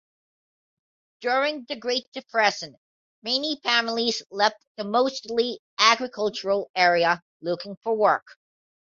During the Great Depression many families left the mostly agricultural area looking for work.